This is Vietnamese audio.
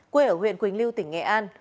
quê ở huyện quỳnh lưu tỉnh nghệ an